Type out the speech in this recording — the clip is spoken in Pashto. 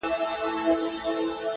هوډ د وېرې تر سیوري هاخوا ځي!